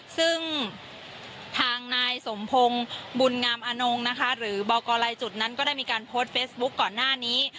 ซึ่งทางนายสมพงศ์บุญงามอนงนะคะหรือบอกกรลายจุดนั้นก็ได้มีการโพสต์เฟซบุ๊คก่อนหน้านี้